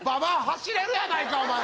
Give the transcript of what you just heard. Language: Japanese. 走れるやないかお前。